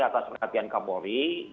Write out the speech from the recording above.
atas perhatian kepolisian